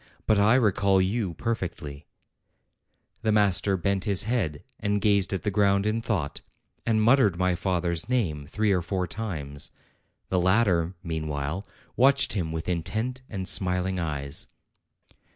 But I recall you perfectly!" 222 APRIL The master bent his head and gazed at the ground in thought, and muttered my father's name three or four times; the latter, meanwhile, watched him with intent and smiling eyes.